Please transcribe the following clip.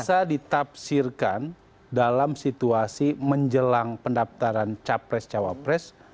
bisa ditafsirkan dalam situasi menjelang pendaftaran capres cawapres